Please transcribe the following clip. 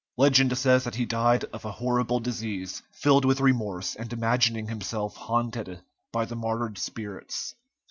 Legend says that he died of a horrible disease, filled with remorse and imagining himself haunted by the martyred spirits.